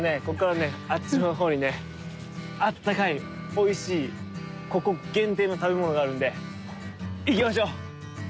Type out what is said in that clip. ここからねあっちの方にね温かいおいしいここ限定の食べ物があるんで行きましょう！